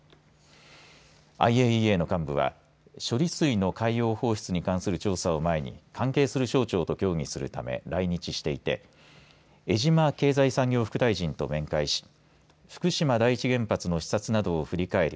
ＩＡＥＡの幹部は処理水の海洋放出に関する調査を前に関係する省庁と協議するため来日していて江島経済産業副大臣と面会し福島第一原発の視察などを振り返り